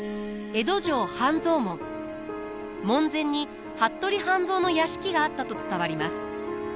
門前に服部半蔵の屋敷があったと伝わります。